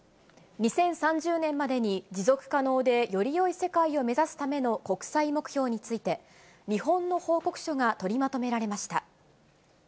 ２０３０年までに持続可能でよりよい世界を目指すための国際目標について、日本の報告書が取りまとめられました。